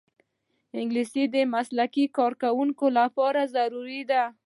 انګلیسي د مسلکي کارکوونکو لپاره ضروري ده